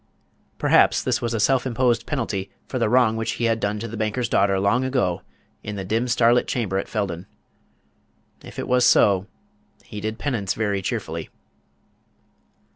Perhaps this was a self imposed penalty for the wrong which he had done the banker's daughter long ago in the dim starlit chamber at Felden. If it was so, he did penance very cheerfully.